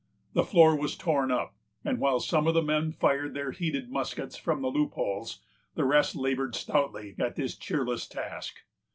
The floor was torn up; and while some of the men fired their heated muskets from the loopholes, the rest labored stoutly at this cheerless task.